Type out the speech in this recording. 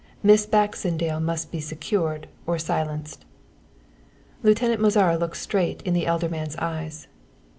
Miss Baxendale must be secured or silenced." Lieutenant Mozara looked straight in the elder man's eyes.